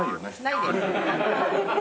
ないです。